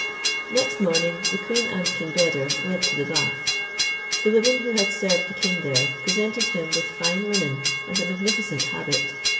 Next morning the queen and King Beder went to the bath; the women who had served the king there, presented him with fine linen and a magnificent habit.